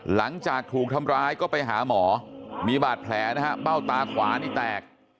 หลังจากถูกทำร้ายก็ไปหาหมอมีบาดแผลนะฮะเบ้าตาขวานี่แตก